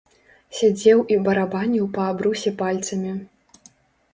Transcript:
Сядзеў і барабаніў па абрусе пальцамі.